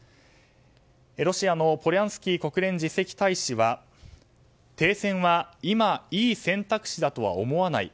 ロシアのポリャンスキー国連次席大使は停戦は今、いい選択肢だとは思わない。